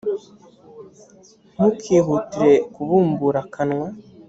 ntukihutire kubumbura akanwa